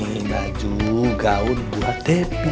ini ga juga unduh tepi